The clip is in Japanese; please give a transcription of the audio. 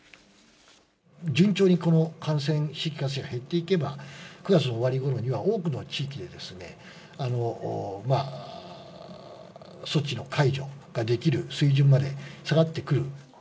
順調にこの感染、新規感染が減っていけば、９月の終わりごろには、多くの地域で措置の解除ができる水準まで下がってくる。